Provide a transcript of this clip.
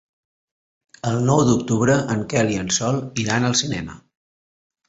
El nou d'octubre en Quel i en Sol iran al cinema.